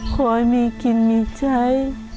ขอให้มีกินมีใช้